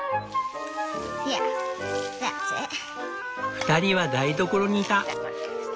２人は台所にいた。